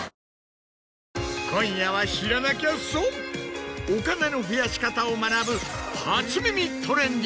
今夜は知らなきゃ損お金の増やし方を学ぶ。